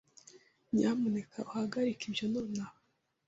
Nyamuneka uhagarike ibyo nonaha.